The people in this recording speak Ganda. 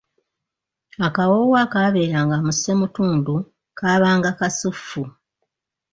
Akawoowo akaabeeranga mu ssemutundu kaabanga kasuffu.